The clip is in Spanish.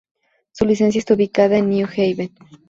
Su licencia está ubicada en New Haven.